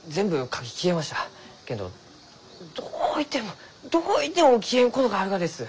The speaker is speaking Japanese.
けんどどういてもどういても消えんことがあるがです。